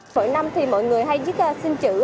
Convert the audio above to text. phở năm thì mọi người hay xin chữ